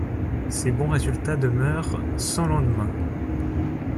Ces bons résultats demeurent sans lendemain.